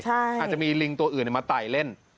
อาจจะมีลิงตัวอื่นมาไต่เล่น